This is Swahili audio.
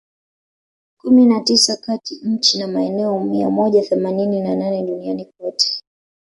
kumi na tisa katika nchi na maeneo mia moja themanini na nane duniani kote